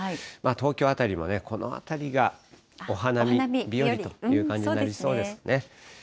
東京あたりもこのあたりがお花見日和という感じになりそうですね。